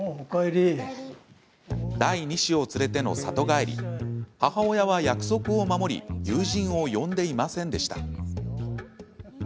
第二子を連れての里帰り母親は約束を守り友人を呼んでいませんでした。